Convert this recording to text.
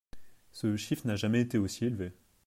Ce chiffre n’a jamais été aussi élevé.